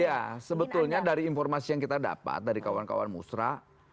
ya sebetulnya dari informasi yang kita dapat dari kawan kawan musra